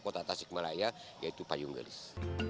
kota tasik malaya yaitu payung gelis